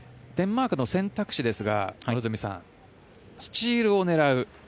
デンマークの選択肢ですが両角さんスチールを狙う。